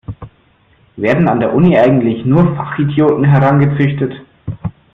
Werden an der Uni eigentlich nur Fachidioten herangezüchtet?